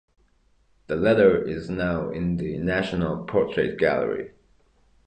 The letter is now in the National Portrait Gallery.